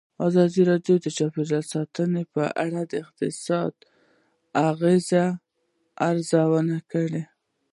ازادي راډیو د چاپیریال ساتنه په اړه د اقتصادي اغېزو ارزونه کړې.